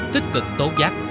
tích cực tố giác